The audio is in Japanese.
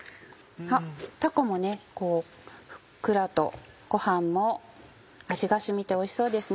たこもふっくらとご飯も味が染みておいしそうですね。